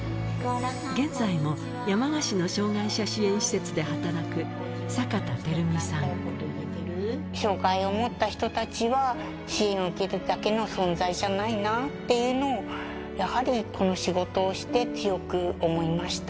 現在も山鹿市の障がい者支援障がいを持った人たちは、支援を受けるだけの存在じゃないなっていうのを、やはりこの仕事をして強く思いました。